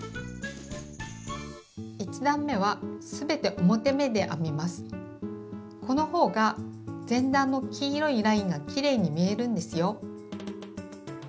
１段めはこの方が前段の黄色いラインがきれいに見えるんですよ。